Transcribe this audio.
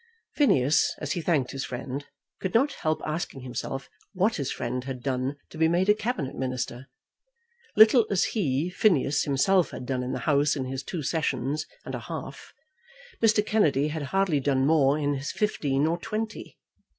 Phineas, as he thanked his friend, could not help asking himself what his friend had done to be made a Cabinet Minister. Little as he, Phineas, himself had done in the House in his two sessions and a half, Mr. Kennedy had hardly done more in his fifteen or twenty.